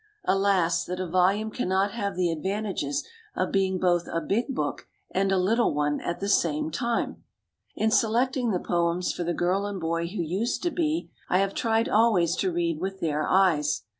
Alas that a volume cannot have the advantages of being both a big book and a little one at the same time! In selecting the poems for the girl and boy who used to be, I have tried always to read with their eyes.